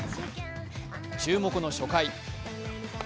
注目の初回。